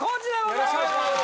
よろしくお願いします。